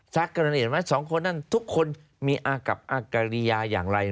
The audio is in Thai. ทักกันโดยละเอียดไหมสองคนนั้นทุกคนมีอากับอากริยาอย่างไร